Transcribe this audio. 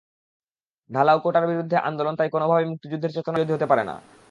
ঢালাও কোটার বিরুদ্ধে আন্দোলন তাই কোনোভাবেই মুক্তিযুদ্ধের চেতনার বিরোধী হতে পারে না।